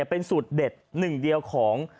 เป็นสูตรเด็ดหนึ่งเดียวของ